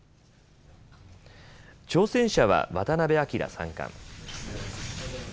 挑戦者は渡辺明三冠。